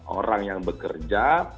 orang yang bekerja